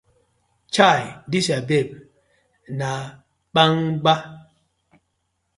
Chai dis yur babe na kpangba.